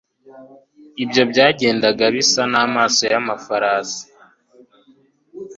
ibyo byagendaga bisa n'amaso y'amafarasi